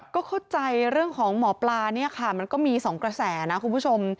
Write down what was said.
ก็เข้าใจเรื่องของหมอปลาเนี่ยค่ะมันก็มี๒กระแสนะคุณผู้ชม